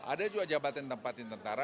ada juga jabatan tempatin tentara